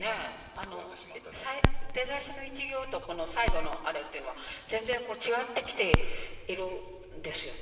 出だしの１行とこの最後のあれというのは全然こう違ってきているんですよね。